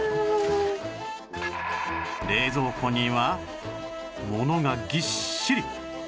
冷蔵庫にはものがぎっしり